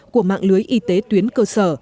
của mạng lưới y tế tuyến cơ sở